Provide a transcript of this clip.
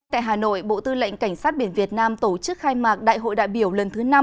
tại hà nội bộ tư lệnh cảnh sát biển việt nam tổ chức khai mạc đại hội đại biểu lần thứ năm